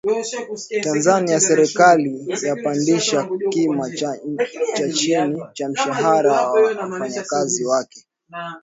Tanzania: Serikali yapandisha kima cha chini cha mshahara wa wafanyakazi wake